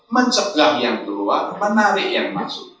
menceblang yang keluar menarik yang masuk